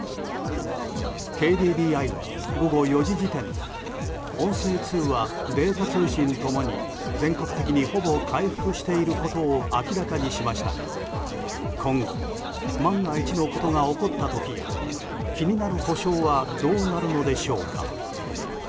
ＫＤＤＩは午後４時時点で音声通話、データ通信共に全国的にほぼ回復していることを明らかにしましたが今後、万が一のことが起こった時や、気になる補償はどうなるのでしょうか。